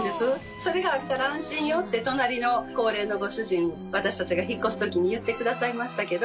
「それがあるから安心よ」って隣の高齢のご主人私たちが引っ越すときに言ってくださいましたけど。